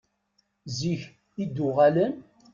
Zik i d-uɣalen?